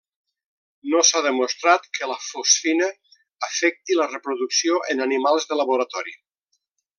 No s'ha demostrat que la fosfina afecti la reproducció en animals de laboratori.